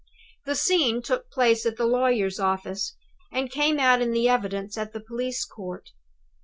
The scene took place at the lawyer's office, and came out in the evidence at the police court.